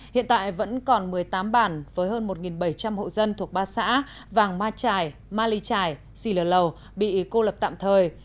hiện tại vẫn còn một mươi tám bản với hơn một bảy trăm linh hộ dân thuộc ba xã vàng ma trải ma ly trài xì lờ lầu bị cô lập tạm thời